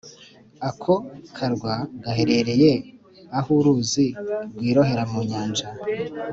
Ako karwa gaherereye aho uruzi rwirohera mu Nyanja.